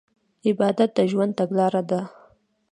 عبادت د ژوند تګلاره ده.